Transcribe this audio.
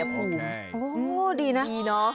โอ้โหดีนะดีเนาะ